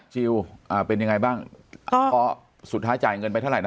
เป็นยังไงบ้างพอสุดท้ายจ่ายเงินไปเท่าไหร่นะ